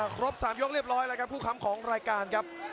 ครบ๓ยกเรียบร้อยแล้วครับผู้ค้ำของรายการครับ